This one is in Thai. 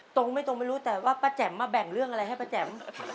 ตรงไม่ตรงไม่รู้แต่ว่าป้าแจ๋มมาแบ่งเรื่องอะไรให้ป้าแจ๋ม